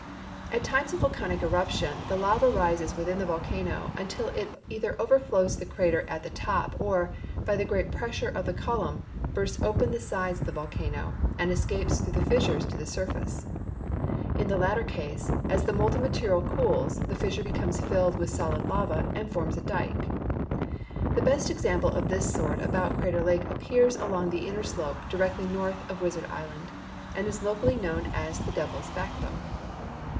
At times of volcanic eruption the lava rises within the volcano until it either overtlows the crater at the toj) or, by the great pressure of the column, bursts open the sides of the volcano and escapes tbrough the fissure to the surface. In the latter case, as 44 CRATER LAKE, OREGON the molten material cools, the fissure becomes filled with solid lava and forms a dike. The best example of this sort about Crater lal^e appears along the inner slope directly north of Wizard island, and is locally known as the Devirs Backbone.